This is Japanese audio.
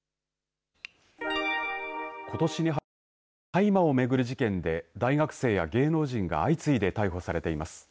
ことしに入って大麻を巡る事件で大学生や芸能人が相次いで逮捕されています。